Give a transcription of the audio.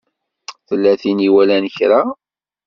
Tella tin i iwalan kra?